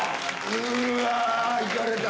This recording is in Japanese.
うわ行かれた。